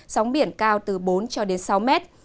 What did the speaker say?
sóng biển cao từ bốn cho đến sáu mét